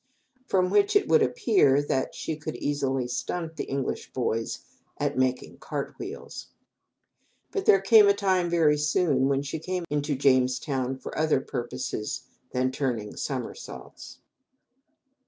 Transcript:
From which it would appear that she could easily "stunt" the English boys at "making cart wheels." But there came a time very soon when she came into Jamestown for other purpose than turning somersaults.